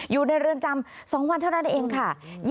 อยู่ในเรือนจำ๒วันเท่านั้นเองค่ะ